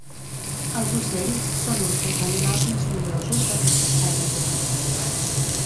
Els ocells són uns dels animals més nombrosos d'aquest espai natural.